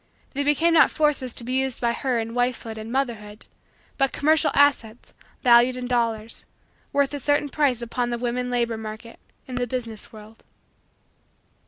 They became not forces to be used by her in wifehood and motherhood but commercial assets, valued in dollars, worth a certain price upon the woman labor market in the business world.